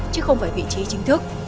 chứ không phải vị trí chính thức